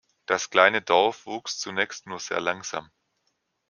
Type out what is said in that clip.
Das kleine Dorf wuchs zunächst nur sehr langsam.